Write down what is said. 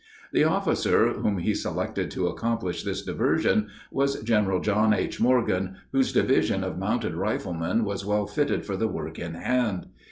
The officer whom he selected to accomplish this diversion was General John H. Morgan, whose division of mounted riflemen was well fitted for the work in hand.